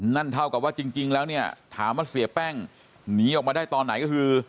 นั่นเท่ากับว่าจริงแล้วเนี่ยถามว่าเสียแป้งหนีออกมาได้ตอนไหนก็คือ